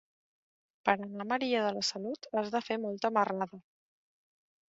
Per anar a Maria de la Salut has de fer molta marrada.